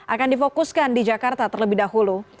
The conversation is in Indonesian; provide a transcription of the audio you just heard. akan difokuskan di jakarta terlebih dahulu